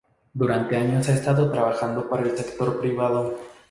Durante años ha estado trabajando para el sector privado.